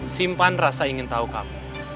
simpan rasa ingin tahu kamu